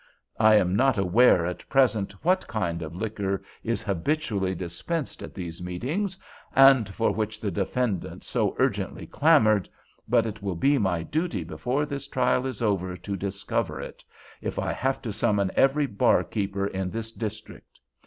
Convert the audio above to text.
I am not aware, at present, what kind of liquor is habitually dispensed at these meetings, and for which the defendant so urgently clamored; but it will be my duty before this trial is over to discover it, if I have to summon every barkeeper in this district.